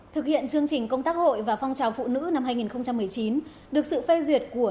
thực hiện chương trình công tác hội và phong trào phụ nữ năm hai nghìn một mươi chín được sự phê duyệt của